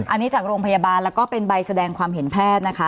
อันนี้จากโรงพยาบาลแล้วก็เป็นใบแสดงความเห็นแพทย์นะคะ